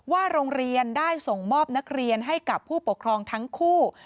ว่าโรงเรียนได้ส่งมอบนักเรียนให้กับผู้ปกครองทั้งคู่